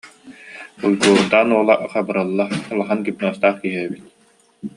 Уйгуурдаан уола Хабырылла улахан гипнозтаах киһи эбит